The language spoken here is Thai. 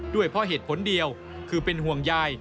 ด้วยเพราะเหตุผลเดียวคือเป็นห่วงยาย